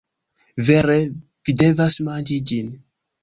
Vere vi devas manĝi ĝin.